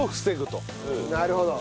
なるほど。